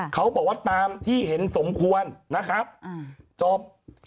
เขาบอกว่าตามที่เห็นสมควรนะครับจบ